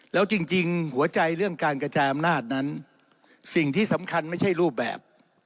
แล้วจริงหัวใจเรื่องการกระจายอำนาจนั้นสิ่งที่สำคัญไม่ใช่รูปแบบ